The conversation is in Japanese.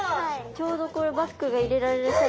ちょうどこれバッグが入れられるサイズ。